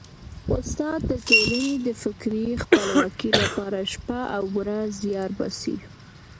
استاد د ټولني د فکري خپلواکۍ لپاره شپه او ورځ زیار باسي.